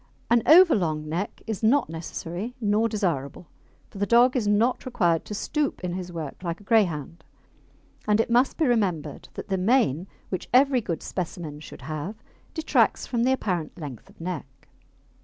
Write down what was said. An over long neck is not necessary, nor desirable, for the dog is not required to stoop in his work like a Greyhound, and it must be remembered that the mane, which every good specimen should have, detracts from the apparent length of neck.